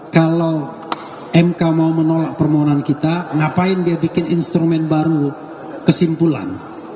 kalau mk mau menolak permohonan kita ngapain dia bikin instrumen baru kesimpulan